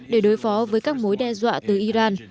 để đối phó với các mối đe dọa từ iran